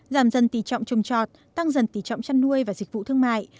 giảm dần tỷ trọng trùm trọt tăng dần tỷ trọng chăn nuôi và dịch vụ thương mại